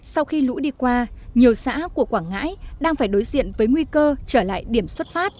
sau khi lũ đi qua nhiều xã của quảng ngãi đang phải đối diện với nguy cơ trở lại điểm xuất phát